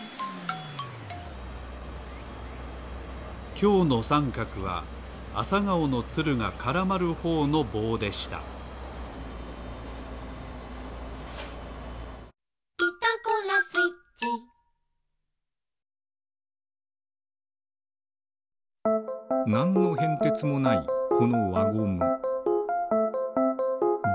きょうのさんかくはあさがおのつるがからまるほうのぼうでしたなんのへんてつもないこのわゴム。